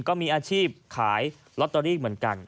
ก็มีอาชีพขายลอตเตอรี่เหมือนกัน